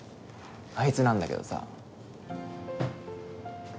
あいつなんだけどさ。